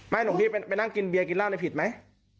ไม่หลวงพี่ไปนั่งกินเบียกินเหล้าเนี่ยผิดไหม